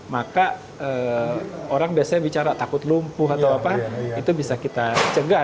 maka orang biasanya bicara takut lumpuh atau apa itu bisa kita cegah